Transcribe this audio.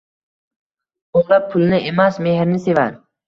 Bola pulni emas mehrni sevar.